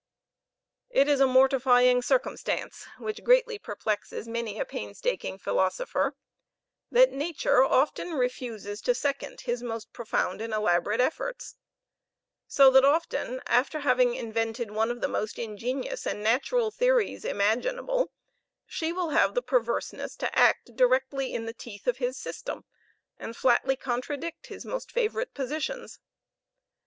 It is a mortifying circumstance, which greatly perplexes many a painstaking philosopher, that nature often refuses to second his most profound and elaborate efforts; so that often after having invented one of the most ingenious and natural theories imaginable, she will have the perverseness to act directly in the teeth of his system, and flatly contradict his most favorite positions.